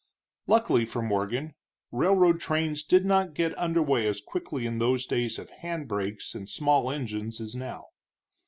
Luckily for Morgan, railroad trains did not get under way as quickly in those days of hand brakes and small engines as now.